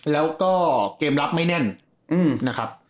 แล้วก็เกมรับไม่แน่นนะครับ